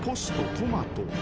トマト］